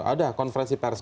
ada konfrensi pers